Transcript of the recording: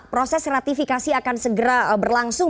proses ratifikasi akan segera berlangsung